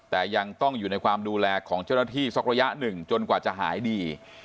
แต่ยังต้องอยู่ในความดูแลของเจ้าหน้าที่สักระยะหนึ่งจนกว่าจะหายดี